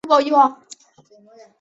长尾景信是室町时代中期武将。